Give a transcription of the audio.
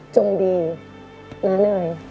จงดีน้าเนย